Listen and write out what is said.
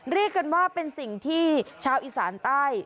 เรียกกันว่าเป็นสิ่งที่ชาวอีสานใต้